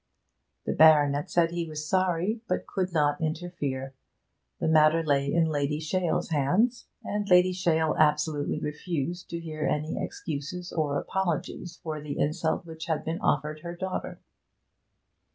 The baronet said he was sorry, but could not interfere; the matter lay in Lady Shale's hands, and Lady Shale absolutely refused to hear any excuses or apologies for the insult which had been offered her daughter.